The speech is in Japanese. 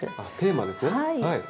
あっテーマですね。